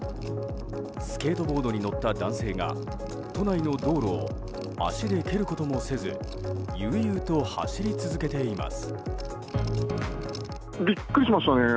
スケートボードに乗った男性が都内の道路を足で蹴ることもせず悠々と走り続けています。